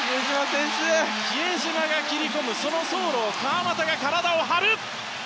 比江島が切り込むその走路で川真田が体を張る！